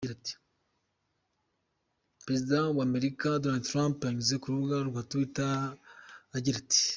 Perezida wa Amerika Donald Trump yanyuze ku rubuga nkoranyambaga rwa Twitter agira ati:.